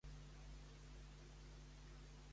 Quin significat tenia la denominació d'Intercidona?